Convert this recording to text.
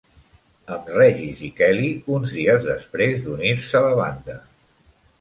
Amb Regis i Kelly, uns dies després d'unir-se a la banda.